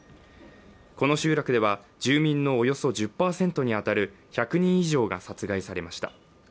この集落では住民のおよそ１０％以上に当たる１００人以上が殺害されました。